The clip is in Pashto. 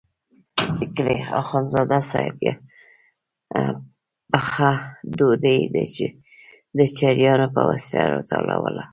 د کلي اخندزاده صاحب پخه ډوډۍ د چړیانو په وسیله راټولوله.